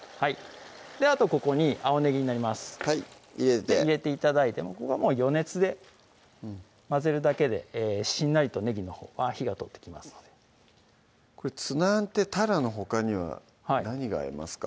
あとここに青ねぎになります入れて入れて頂いてここは余熱で混ぜるだけでしんなりとねぎのほうは火が通ってきますのでツナあんってたらのほかには何が合いますか？